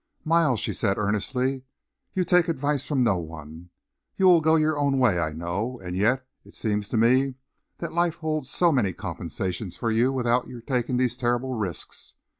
"Miles," she said earnestly, "you take advice from no one. You will go your own way, I know. And yet, it seems to me that life holds so many compensations for you without your taking these terrible risks.